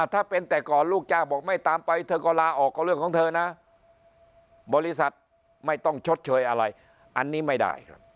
ถ้าเป็นแต่ก่อนลูกจ้างบอกไม่ตามไปเธอก็ลาออกก็เรื่องของเธอนะ